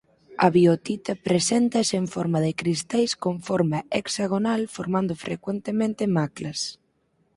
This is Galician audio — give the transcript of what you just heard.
A biotita preséntase en forma de cristais con forma hexagonal formando frecuentemente maclas.